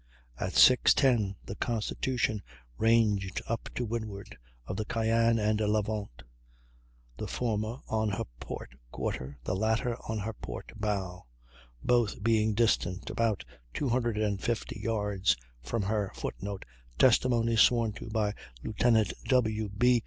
At 6.10 the Constitution ranged up to windward of the Cyane and Levant, the former on her port quarter, the latter on her port bow, both being distant about 250 yards from her [Footnote: Testimony sworn to by Lieutenant W. B.